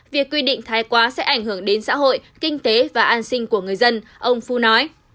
việc quy định thái quá sẽ ảnh hưởng đến xã hội kinh tế và an sinh của người dân ông phu nói